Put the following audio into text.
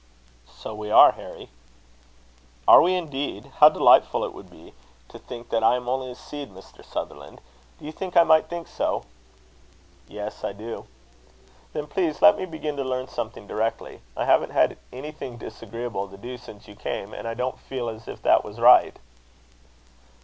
"So we are, Harry." "Are we indeed? How delightful it would be to think that I am only a seed, Mr. Sutherland! Do you think I might think so?" "Yes, I do." "Then, please, let me begin to learn something directly. I haven't had anything disagreeable to do since you came; and I don't feel as if that was right."